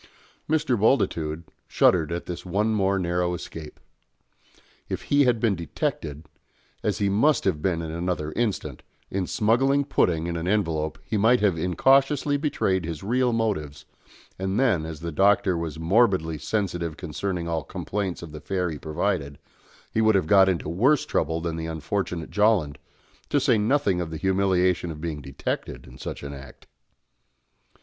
Mr. Bultitude shuddered at this one more narrow escape. If he had been detected as he must have been in another instant in smuggling pudding in an envelope he might have incautiously betrayed his real motives, and then, as the Doctor was morbidly sensitive concerning all complaints of the fare he provided, he would have got into worse trouble than the unfortunate Jolland, to say nothing of the humiliation of being detected in such an act.